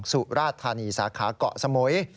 สุราธานีสาขาเกาะสมุย